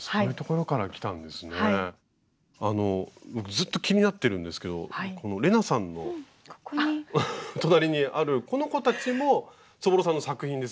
ずっと気になってるんですけど玲奈さんの隣にあるこの子たちもそぼろさんの作品ですよね。